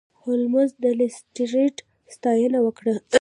هولمز د لیسټرډ ستاینه وکړه.